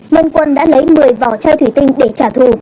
nên quân đã lấy một mươi vỏ chai thủy tinh để trả thù